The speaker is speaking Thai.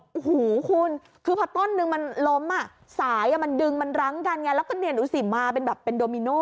โอ้โหคุณคือพอต้นนึงมันล้มอ่ะสายมันดึงมันรั้งกันไงแล้วก็เนี่ยดูสิมาเป็นแบบเป็นโดมิโน